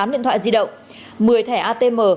tám điện thoại di động một mươi thẻ atm